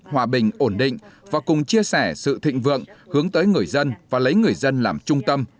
hòa bình ổn định và cùng chia sẻ sự thịnh vượng hướng tới người dân và lấy người dân làm trung tâm